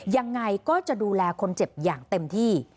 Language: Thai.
ยังไงก็จะดูแลคนเจ็บอย่างเต็มที่